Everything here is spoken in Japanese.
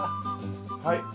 はい。